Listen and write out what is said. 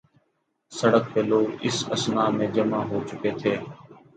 سڑک پہ لوگ اس اثناء میں جمع ہوچکے تھے۔